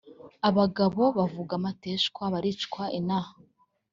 Abagabo bavuga amateshwa baricwa inaha